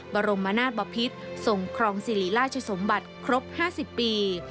บรมนาศบพิษทรงครองสิริราชสมบัติครบ๕๐ปี